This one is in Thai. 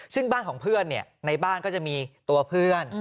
ซึ่งบ้านของเพื่อนในบ้านก็จะมีตัวเพื่อน